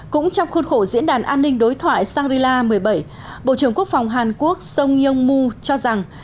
cũng trong khuôn khổ diễn đàn an ninh đối thoại shangri la một mươi bảy bộ trưởng quốc phòng hàn quốc sông yong mu cho rằng